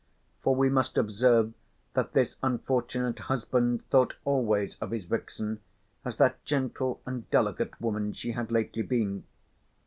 For we must observe that this unfortunate husband thought always of his vixen as that gentle and delicate woman she had lately been.